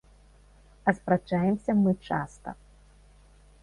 А спрачаемся мы часта.